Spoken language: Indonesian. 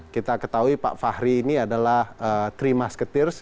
kita ketahui pak fahri ini adalah three musketeers